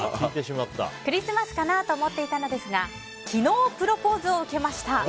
クリスマスかなと思っていたのですが昨日プロポーズを受けました！